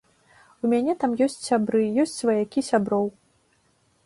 У мяне там ёсць сябры, ёсць сваякі сяброў.